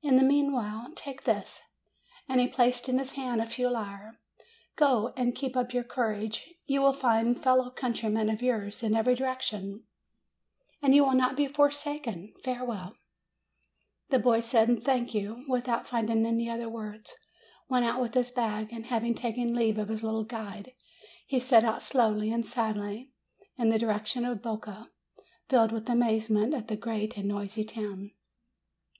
In the meanwhile, take this." And he placed in his hand a few lire. "Go, and keep up your courage; you will find fellow countrymen of yours in every direction, and you will not be forsaken. Farewell !" 266 MAY The boy said, "Thank you," without finding any other words, went out with his bag, and having taken leave of his little guide, he set out slowly and sadly in the direction of Boca, filled with amazement at the great and noisy town.